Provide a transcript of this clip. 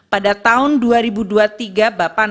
pada tahun dua ribu dua puluh tiga bapanas menangani kerawanan pangan